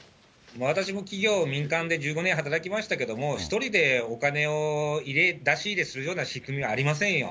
私も企業、民間で１５年働きましたけれども、１人でお金を出し入れするような仕組みはありませんよ。